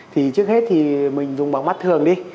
thì trước hết thì mình dùng bằng mắt thường đi